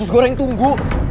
usus goreng tunggu